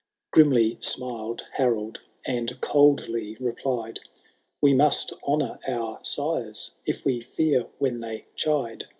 XI. Grimly smiled Harold, and coldly replied, ♦* We must honour our sires, if we fear when they chide.